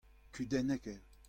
Kudennek eo.